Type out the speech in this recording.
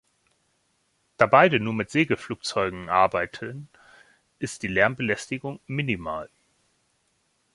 Da beide nur mit Segelflugzeugen arbeiten, ist die Lärmbelästigung minimal.